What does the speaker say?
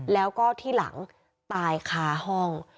แล้วก็ที่หลังตายคาห้อง